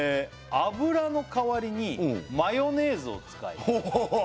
「油の代わりにマヨネーズを使います」